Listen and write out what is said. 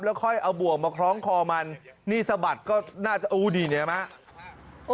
แล้วค่อยเอาบ่วงมาคล้องคอมันนี่สะบัดก็น่าจะอู้นี่เห็นไหม